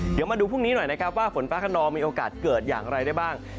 เดี๋ยวมาดูพรุ่งนี้หน่อยนะครับว่าฝนฟ้าขนองมีโอกาสเกิดอย่างไรได้บ้าง